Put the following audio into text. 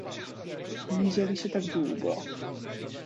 ” Miziali się tak długo.